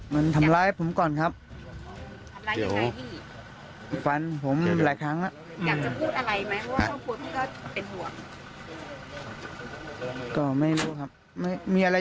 น้องชายใช่ไหมครับอืมรับสารภาพใช่ไหมครับ